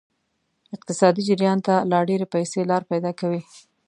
اقتصادي جریان ته لا ډیرې پیسې لار پیدا کوي.